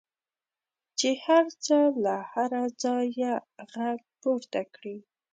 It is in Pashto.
چې هر څه له هره ځایه غږ پورته کړي.